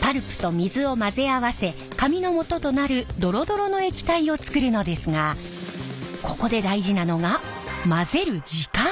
パルプと水を混ぜ合わせ紙のもととなるドロドロの液体を作るのですがここで大事なのが混ぜる時間。